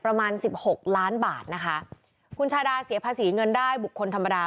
ประมาณสิบหกล้านบาทนะคะคุณชาดาเสียภาษีเงินได้บุคคลธรรมดา